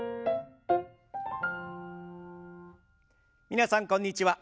皆さんこんにちは。